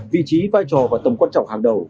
vị trí vai trò và tầm quan trọng hàng đầu